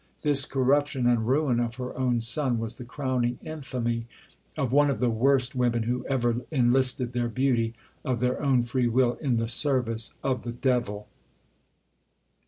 This corruption and ruin of her own son was the crowning infamy of one of the worst women who ever enlisted their beauty, of their own free will, in the service of the devil.